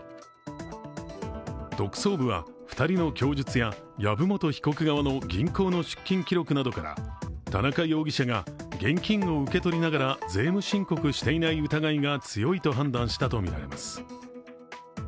特捜部は２人の供述や籔本被告側の銀行の出金記録などから田中容疑者が現金を受け取りながら税務申告していない疑いが強いと判断したとみられます。